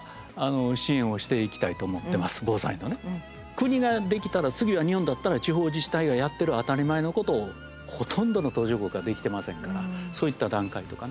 国ができたら次は日本だったら地方自治体がやってる当たり前のことをほとんどの途上国ができてませんからそういった段階とかね